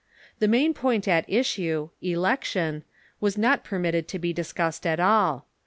The main point at issue — election — was not permitted to be discussed at all.